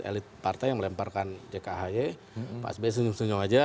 elit partai yang melemparkan jkahy pak sbs njum njum aja